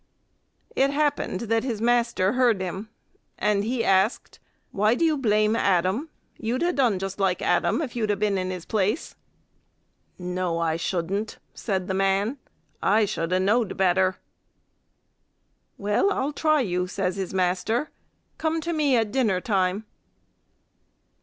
It happened that his master heard him, and he asked, "Why do you blame Adam? You'd ha' done just like Adam, if you'd a been in his place." "No, I shouldn't," said the man; "I should ha' know'd better." "Well, I'll try you," says his master; "come to me at dinner time."